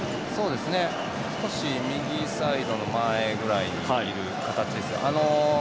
少し右サイドの前ぐらいにいる形ですね。